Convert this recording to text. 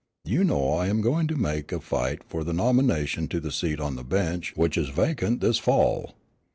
You know I am going to make the fight for nomination to the seat on the bench which is vacant this fall."